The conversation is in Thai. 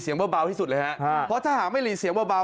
เสียงเบาที่สุดแล้วค่ะพอสามแห้งมาลิเซียวเบา